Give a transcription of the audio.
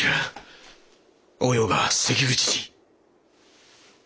おようが関口に。